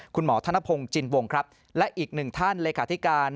คุณหมอธนพงศ์จินวงครับและอีกหนึ่งท่านเลขาธิการ